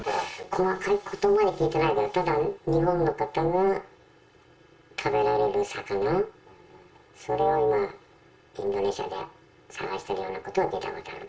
細かいことまで聞いてないけど、ただ、日本の方が食べられる魚、それをインドネシアで探してるようなことは聞いたことがある。